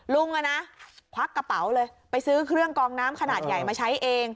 ควักกระเป๋าเลยไปซื้อเครื่องกองน้ำขนาดใหญ่มาใช้เอง